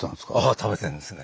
あ食べてんですね。